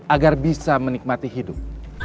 agar bisa menikmati hidup